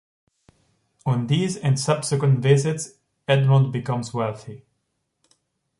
On this and subsequent visits, Edmond becomes wealthy.